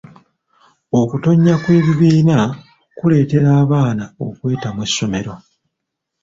Okutonnya kw'ebibiina kuleetera abaana okwetamwa essomero.